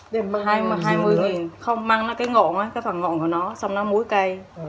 để măng là hai mươi nghìn không măng là cái ngộng ấy cái thoảng ngộng của nó xong nó múi cây